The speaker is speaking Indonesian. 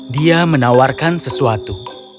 dia menawarkan sesuatu